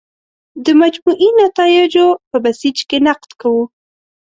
د مجموعي نتایجو په بیسج کې نقد کوو.